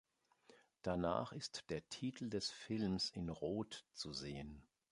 Danach ist der Titel des Films in rot zu sehen.